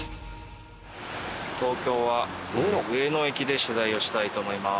東京は上野駅で取材をしたいと思います。